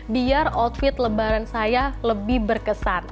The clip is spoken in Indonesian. biar outfit lebaran saya lebih berkesan